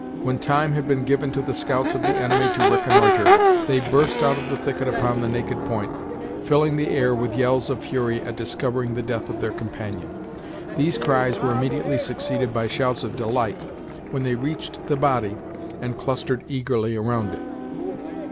When time had been given to the scouts of the enemy to reconnoitre, they burst out of the thicket upon the naked point, filling the air with yells of fury at discovering the death of their companion. These cries were immediately succeeded by shouts of delight when they reached the body and clustered eagerly around it.